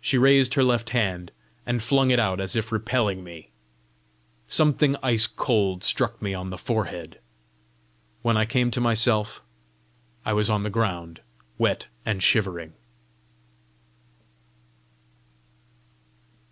She raised her left hand, and flung it out as if repelling me. Something ice cold struck me on the forehead. When I came to myself, I was on the ground, wet and shivering.